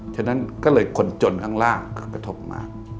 ฉะนั้นก็เลยคนจนข้างล่างก็กระทบมา